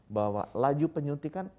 bahwa laju penyuntikan